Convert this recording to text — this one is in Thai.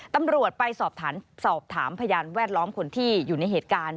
ตำรวจไปสอบถามพยานแวดล้อมคนที่อยู่ในเหตุการณ์